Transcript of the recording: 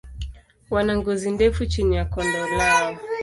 Wana ngozi ndefu chini ya koo lao.